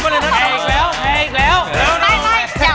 ไม่อยากว่าแพ้